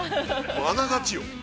◆あながちよ。